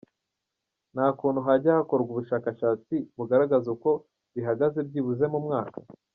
Nta kuntu hajya hakorwa ubushashatsi bugaragaza uko bihagaze byibuze mu mwaka?”.